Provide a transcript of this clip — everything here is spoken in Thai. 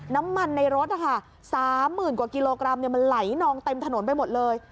น้ำมันในรถนะคะ๓๐๐๐กว่ากิโลกรัมมันไหลนองเต็มถนนไปหมดเลย